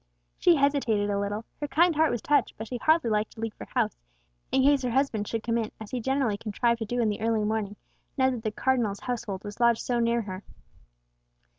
She hesitated a little; her kind heart was touched, but she hardly liked to leave her house, in case her husband should come in, as he generally contrived to do in the early morning, now that the Cardinal's household was lodged so near her.